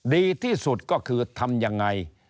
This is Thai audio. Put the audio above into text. ดีที่สุดก็คือทำยังไง